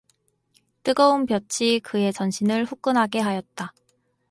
뜨거운 볕이 그의 전신을 후끈하게 하였다.